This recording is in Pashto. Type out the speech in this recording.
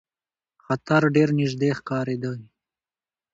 خطر ډېر نیژدې ښکارېدی.